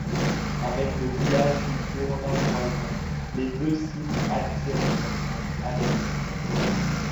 Avec le village du Bournat voisin, les deux sites attirent à l'année.